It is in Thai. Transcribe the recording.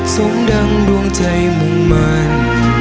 ส่งดังดวงใจมุ่งมัน